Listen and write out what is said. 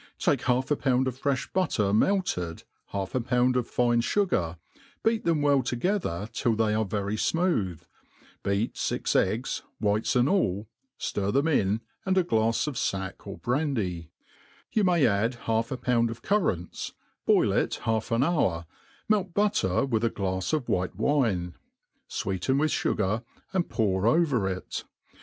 take half a pound of ittOeif butter melted) half a pound of fine fugar, beat them well ^getbcv till they are very fmooth, beat fix eggs, whites and all, ftir them in, and a glafs of fac;k or brandy;* You" mayt add half a pound of currants, boil it half an hour, melt butter wiih a glafs of white wine; fweeten with fugar, and pour over it.